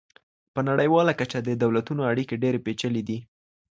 په نړيواله کچه د دولتونو اړيکې ډېرې پېچلې دي.